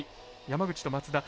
山口と松田。